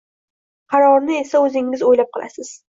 Qarorni esa o’zingiz o’ylab qilasiz